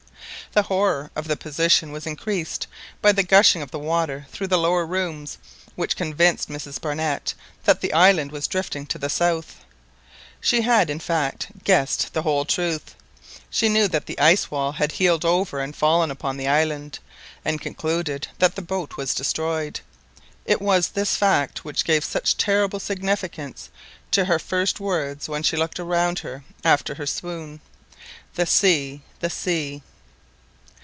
The horror of the position was increased by the gushing of the water through the lower rooms, which convinced Mrs Barnett that the island was drifting to the south. She had, in fact, guessed the whole truth; she knew that the ice wall had heeled over and fallen upon the island, and concluded that the boat was destroyed. It was this last fact which gave such terrible significance to her first words when she looked around her after her swoon— "The sea! the sea!"